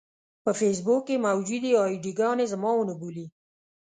په فېسبوک کې موجودې اې ډي ګانې زما ونه بولي.